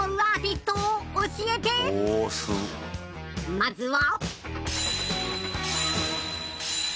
まずは。